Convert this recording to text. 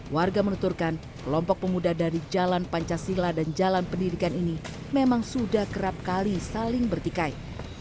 warga menuturkan kelompok pemuda dari jalan pancasila dan jalan pendidikan ini memang sudah kerap kali saling bertikai